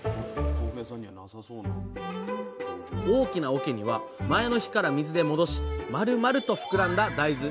大きなおけには前の日から水で戻しまるまると膨らんだ大豆。